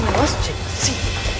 sini kemauan sini